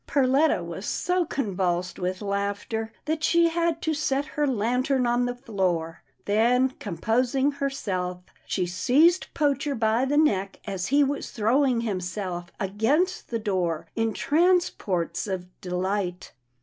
" Perletta was so convulsed with laughter, that she had to set her lantern on the floor. Then, com posing herself, she seized Poacher by the neck as he was throwing himself against the door in trans ports of delight.